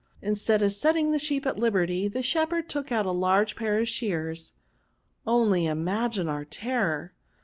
Instead of setting the sheep at liberty, the shepherd took out a large pair of shears. — Only imagine our terror!